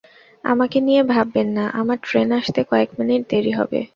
আমাকে নিয়ে ভাববেন না, আমার ট্রেন আসতে কয়েক মিনিট দেরি হবে।